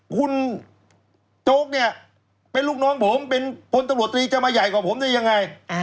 คุณโจ๊กเนี่ยเป็นลูกน้องผมเป็นพลตำรวจตรีจะมาใหญ่กว่าผมได้ยังไง